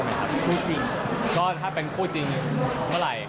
มีคนรู้กับเราเป็นสิ่งที่ดี